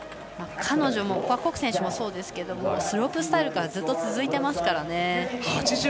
彼女も谷選手もそうですがスロープスタイルからずっと続いていますからね。